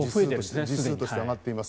実数として上がっています。